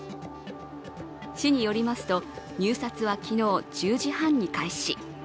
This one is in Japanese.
市によりますと、入札は昨日１０時半に開始。